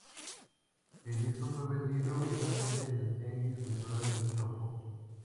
El disco fue vendido únicamente en el Tianguis Cultural del Chopo.